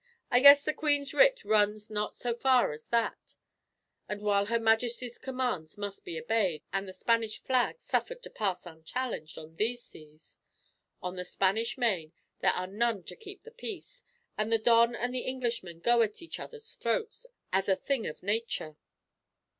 I guess the queen's writ runs not so far as that; and while her majesty's commands must be obeyed, and the Spanish flag suffered to pass unchallenged, on these seas; on the Spanish main there are none to keep the peace, and the Don and the Englishman go at each other's throats, as a thing of nature."